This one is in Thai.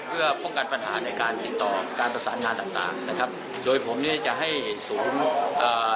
เพื่อป้องกันปัญหาในการติดต่อการประสานงานต่างต่างนะครับโดยผมเนี้ยจะให้ศูนย์อ่า